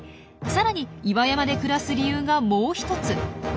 さらに岩山で暮らす理由がもう一つ。